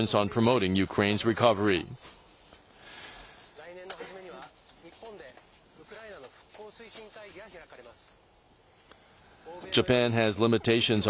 来年の初めには、日本でウクライナの復興推進会議が開かれます。